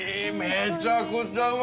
めちゃくちゃうまい！